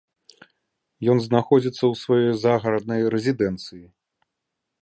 Ён знаходзіцца ў сваёй загараднай рэзідэнцыі.